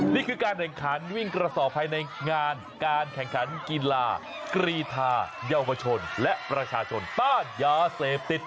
นี่คือการแข่งขันวิ่งกระสอบภายในงานการแข่งขันกีฬากรีธาเยาวชนและประชาชนต้านยาเสพติด